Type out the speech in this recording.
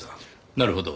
なるほど。